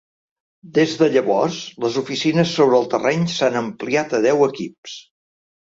Des de llavors, les oficines sobre el terreny s'han ampliat a deu equips.